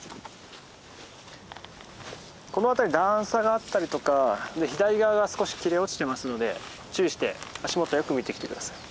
この辺り段差があったりとか左側が少し切れ落ちてますので注意して足元よく見て来て下さい。